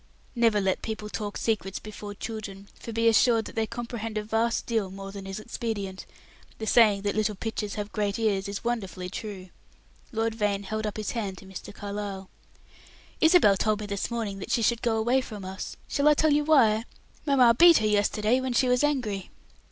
Never let people talk secrets before children, for be assured that they comprehend a vast deal more than is expedient; the saying "that little pitchers have great ears" is wonderfully true. Lord Vane held up his hand to Mr. Carlyle, "Isabel told me this morning that she should go away from us. Shall I tell you why? Mamma beat her yesterday when she was angry."